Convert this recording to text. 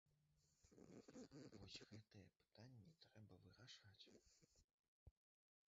Вось гэтыя пытанні трэба вырашаць!